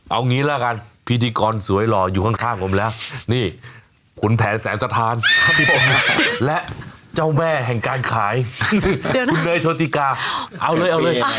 เอางี้ละกันพิธีกรสวยหล่ออยู่ข้างผมแล้วนี่ขุนแผนแสนสถานและเจ้าแม่แห่งการขายคุณเนยโชติกาเอาเลยเอาเลย